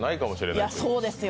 いや、そうですよ。